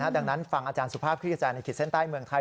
ดังนั้นฟังอาจารย์สุภาพคลิกระจายในขีดเส้นใต้เมืองไทย